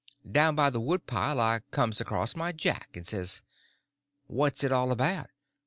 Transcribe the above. Down by the wood pile I comes across my Jack, and says: "What's it all about?"